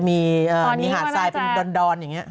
มีหาดทรายเป็นดอนอย่างนี้